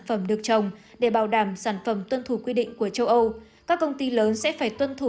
phẩm được trồng để bảo đảm sản phẩm tuân thủ quy định của châu âu các công ty lớn sẽ phải tuân thủ